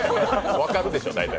分かるでしょ、大体。